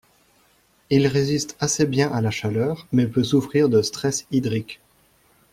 Il résiste assez bien à la chaleur, mais peut souffrir de stress hydrique.